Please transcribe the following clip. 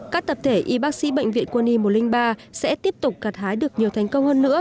các tập thể y bác sĩ bệnh viện quân y một trăm linh ba sẽ tiếp tục gạt hái được nhiều thành công hơn nữa